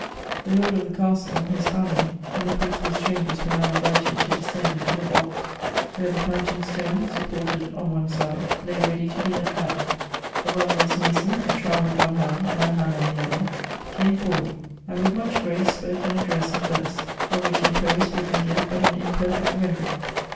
The lord of the castle, his family, and the principal strangers were now invited to descend into the vault, where tlie fountain stone, supported on one side, lay ready to be let down. A well dressed mason, a trowel in one hand and a hammer in the other, came forward, and with much grace spoke an address in verse, of which in prose we can give but an imperfect rendering.